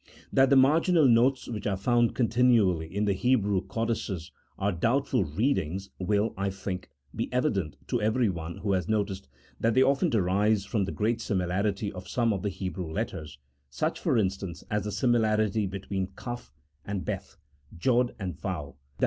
That the marginal notes which are found continually in the Hebrew Codices are doubtful readings will, I think, be evident to everyone who has noticed that they often arise from the great similarity of some of the Hebrew letters, such for instance, as the similarity between Kaph and 1 See Note 18. CHAP. IX.